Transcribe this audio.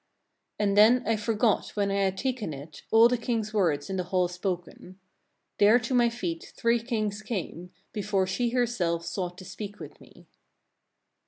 24. And then I forgot, when I had taken it, all the king's words in the hall spoken. There to my feet three kings came, before she herself sought to speak with me.